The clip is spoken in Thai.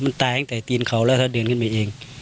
มันตายตั้งแต่ตีนเขาแล้วถ้าเดินขึ้นไปเอง